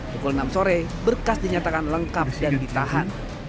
pukul enam sore berkas dinyatakan lengkap dan ditahan